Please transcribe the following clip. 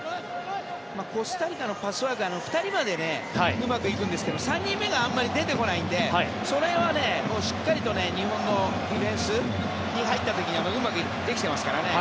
コスタリカのパスワーク２人までうまくいくんですが３人目があまり出てこないのでその辺はしっかりと日本がディフェンスに入った時にはうまくできていますからね。